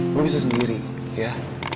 gue bisa sendiri ya